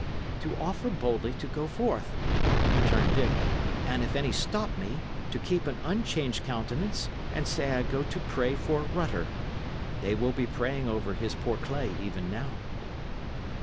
"To offer boldly to go forth," returned Dick; "and if any stop me, to keep an unchanged countenance, and say I go to pray for Rutter. They will be praying over his poor clay even now."